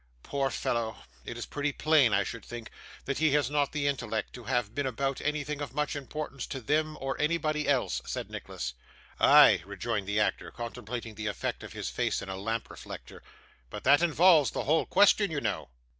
'Poor fellow! it is pretty plain, I should think, that he has not the intellect to have been about anything of much importance to them or anybody else,' said Nicholas. 'Ay,' rejoined the actor, contemplating the effect of his face in a lamp reflector, 'but that involves the whole question, you know.